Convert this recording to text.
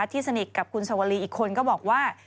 ที่สนิทกับคุณสวรีอีกคนก็บอกว่า